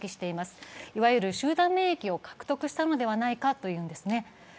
いわゆる集団免疫を獲得したのではないかというんですね。